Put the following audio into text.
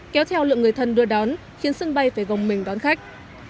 kéo theo lượng người thân đưa đón khiến sân bay phải gồng mình đón khách